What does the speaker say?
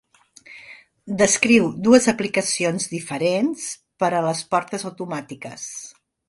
Descriu dues aplicacions diferents per a les portes automàtiques.